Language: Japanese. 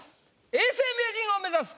永世名人を目指す